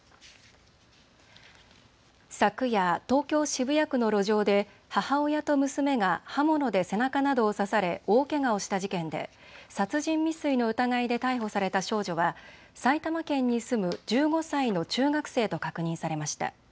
昨夜、東京渋谷区の路上で母親と娘が刃物で背中などを刺され大けがをした事件で殺人未遂の疑いで逮捕された少女は埼玉県に住む１５歳の中学生と確認されました。